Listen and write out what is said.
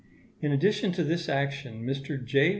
In addition to this action, Mr. J.